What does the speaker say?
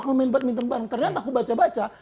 kalau main badminton bareng ternyata aku baca baca